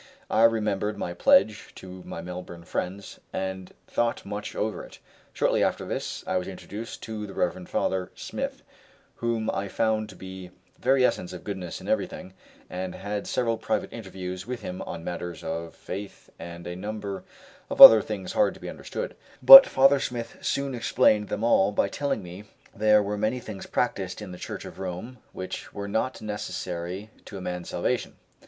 I remembered my pledge to my Melbourne friends, and thought much over it. Shortly after this, I was introduced to the Rev. Father Smyth, whom I found to be the very essence of goodness in everything, and had several private interviews with him on matters, of faith, and a number of other things hard to be understood; but Father Smyth soon explained them all, by telling me there were many things practised in the Church of Rome which were not necessary to a man's salvation.